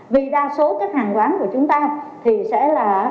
vì đa số các hàng quán của chúng ta thì sẽ là